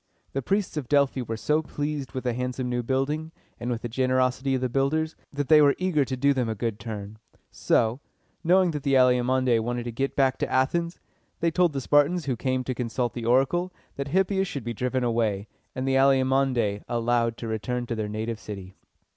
The priests of Delphi were so pleased with the handsome new building, and with the generosity of the builders, that they were eager to do them a good turn. So, knowing that the Alcmæonidæ wanted to get back to Athens, they told the Spartans who came to consult the oracle, that Hippias should be driven away, and the Alcmæonidæ allowed to return to their native city.